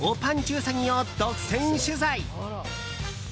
うさぎを独占取材！